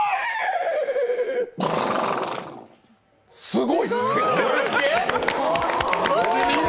すごい！